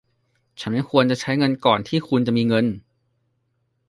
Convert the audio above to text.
ไม่ควรจะใช้เงินก่อนที่คุณจะมีเงิน